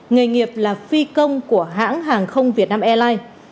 nghề nghiệp là phi công của hãng hàng không việt nam airlines